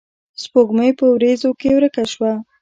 سپوږمۍ پۀ وريځو کښې ورکه شوه